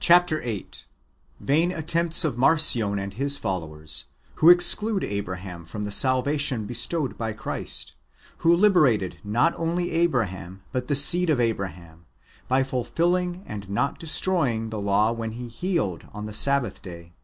Chap. viii. — Vain attempts of Marcion and his followers^ icho exclude Abraham from the salvation bestoived by Christ, who liberated not only Abraham, but the seed of Ah^aham, by fulfilling and not destroying the law when He healed on the Sabbath day.